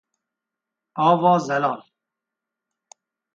Ava zelal